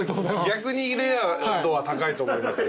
逆にレア度は高いと思います。